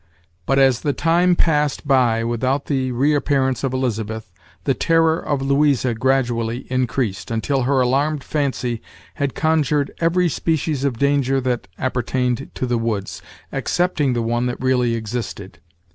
But as the time passed by without the reappearance of Elizabeth, the terror of Louisa gradually increased, until her alarmed fancy had conjured every species of danger that appertained to the woods, excepting the one that really existed.